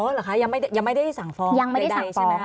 อ๋อเหรอค่ะยังไม่ได้สั่งฟ้องใดใช่ไหมค่ะ